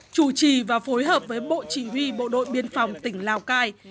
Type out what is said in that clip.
chủ trì và phối hợp với bộ chỉ huy bộ đội biên phòng tỉnh lào cai